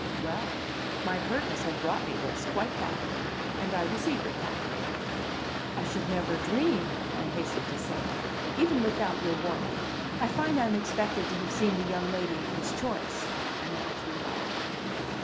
Well, my pertness had brought me this quite properly! And I received it properly. "I should never dream " I hastened to say; "even without your warning. I find I'm expected to have seen the young lady of his choice," I now threw out.